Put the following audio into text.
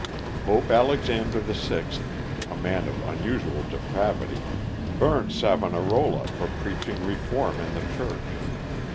Pope Alexander VI., a man of unusual depravity, burnt Savonarola for preaching reform in the Church.